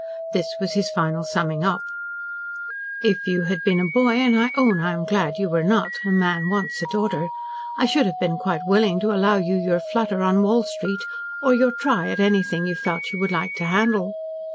This was his final summing up: "If you had been a boy, and I own I am glad you were not a man wants a daughter I should have been quite willing to allow you your flutter on Wall Street, or your try at anything you felt you would like to handle.